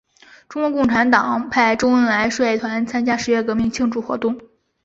中国共产党派周恩来率团参加十月革命庆祝活动。